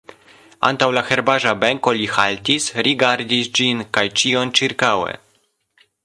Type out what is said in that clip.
Antaŭ la herbaĵa benko li haltis, rigardis ĝin kaj ĉion ĉirkaŭe.